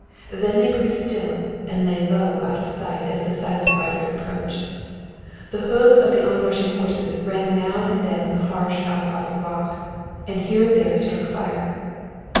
Then they grew still and lay low out of sight as the silent riders approached. The hoofs of the onrushing horses rang now and then on the harsh outcropping rock, and here and there struck fire.